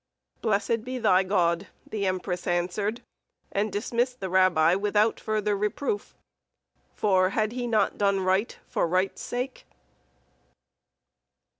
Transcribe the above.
"Blessed be thy God!" the empress answered, and dismissed the rabbi without further reproof; for had he not done right for right's sake?